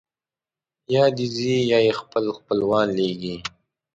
یا دی ځي یا یې خپل خپلوان لېږي.